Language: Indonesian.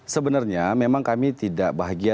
sebenarnya memang kami tidak bahagia